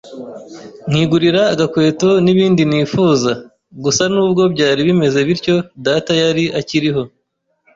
nkigurira agakweto n’ibindi nifuza. Gusa n’ubwo byari bimeze bityo data yari akiriho,